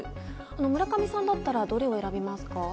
村上さんだったらどれを選びますか？